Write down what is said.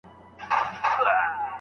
آیا طلاق د اختیار په اساس واقع کیدای سي؟